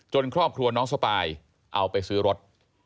ครอบครัวน้องสปายเอาไปซื้อรถ